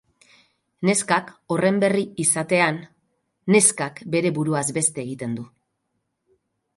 Neskak, horren berri izatean, neskak bere buruaz beste egiten du.